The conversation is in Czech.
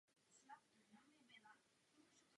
Před výstavbou kaple zde stál kříž.